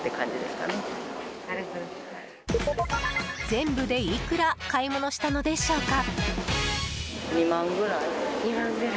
全部でいくら買い物したのでしょうか？